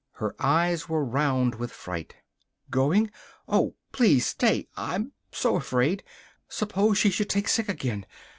Her eyes were round with fright. "Going! Oh, please stay! I'm so afraid. Suppose she should take sick again!